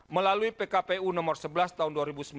melalui pkpu nomor sebelas tahun dua ribu sembilan belas